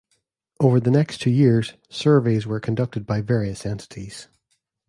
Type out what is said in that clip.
Over the next two years, surveys were conducted by various entities.